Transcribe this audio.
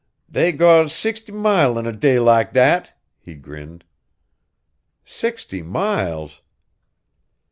"They go sixt' mile in day lak dat," He grinned. "Sixty miles!"